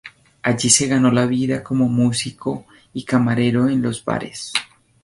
Allí se ganó la vida como músico y camarero en los bares.